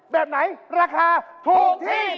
แบบไหนราคาถูกที่